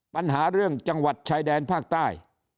ปัญหาเรื่องจังหวัดชายแดนภาคใต้